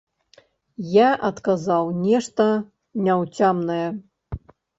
Я адказаў нешта няўцямнае.